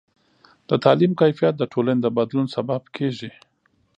د تعلیم کیفیت د ټولنې د بدلون سبب کېږي.